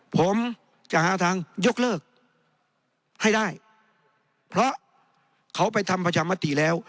ผมจะหาทางยกเลิกให้ได้เพราะเขาไปทำประชามติแล้ว